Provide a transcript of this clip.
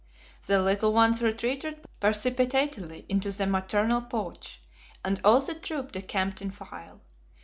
The little ones retreated precipitately into the maternal pouch, and all the troop decamped in file.